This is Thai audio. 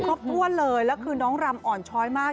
ครบถ้วนเลยแล้วคือน้องรำอ่อนช้อยมาก